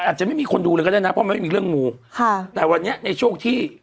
อาจจะไม่มีคนดูเลยก็ได้นะเพราะมันไม่มีเรื่องมูค่ะแต่วันนี้ในช่วงที่